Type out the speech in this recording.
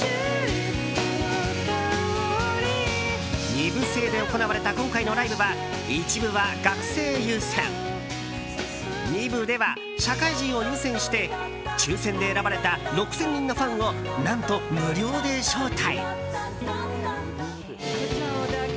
２部制で行われた今回のライブは１部は学生を優先２部では社会人を優先して抽選で選ばれた６０００人のファンを何と、無料で招待。